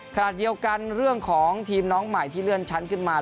ขณะเดียวกันเรื่องของทีมน้องใหม่ที่เลื่อนชั้นขึ้นมา